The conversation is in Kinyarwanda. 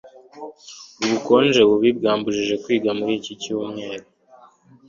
Ubukonje bubi bwambujije kwiga muri iki cyumweru.